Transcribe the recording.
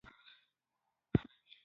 سایټوپلازمیک غشا په نوم یادیږي.